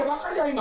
今。